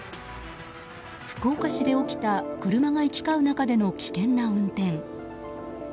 福岡市で起きた車が行き交う中での危険な運転。